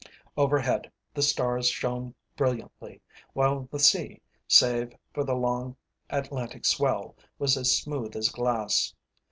Overhead the stars shone brilliantly, while the sea, save for the long Atlantic swell, was as smooth as glass.